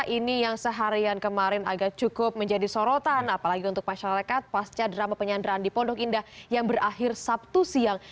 ini yang seharian kemarin agak cukup menjadi sorotan apalagi untuk masyarakat pasca drama penyanderaan di pondok indah yang berakhir sabtu siang